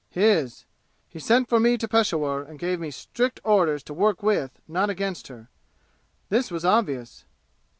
"His. He sent for me to Peshawur and gave me strict orders to work with, not against her. This was obvious."